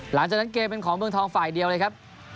หลังจากนั้นเกมเป็นของเมืองทองฝ่ายเดียวเลยครับ